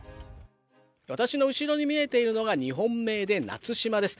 私の後ろに見えているのが日本名で夏島です。